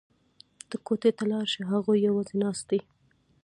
ته کوټې ته لاړه شه هغوی یوازې ناست دي